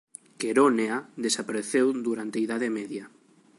Queronea desapareceu durante a Idade Media.